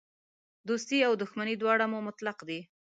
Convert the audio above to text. دوستي او دښمني دواړه مو مطلق دي.